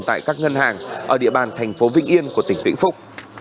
tại các ngân hàng ở địa bàn thành phố vĩnh yên của tỉnh vĩnh phúc